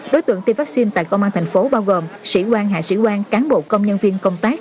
đối tượng tiêm vaccine tại công an thành phố bao gồm sĩ quan hạ sĩ quan cán bộ công nhân viên công tác